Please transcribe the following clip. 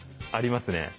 ありますね。